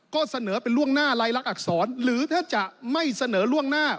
ก็เสนอเป็นล่วงหน้าลายลักษณอักษรหรือถ้าจะไม่เสนอล่วงหน้า